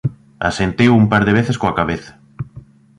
Asentiu un par de veces coa cabeza…